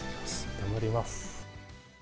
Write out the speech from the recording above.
頑張ります。